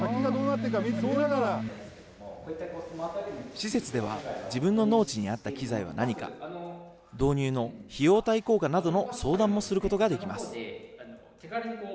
施設では自分の農地に合った機材は何か、導入の費用対効果などの相談もすることができます。